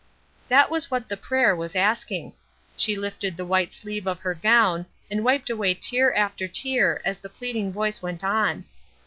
That was what this prayer was asking. She lifted the white sleeve of her gown, and wiped away tear after tear as the pleading voice went on.